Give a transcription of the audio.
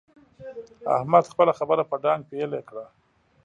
احمد خپله خبره په ډانګ پېيلې کړه.